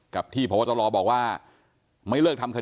กับที่พบตรบอกว่าไม่เลิกทำคดี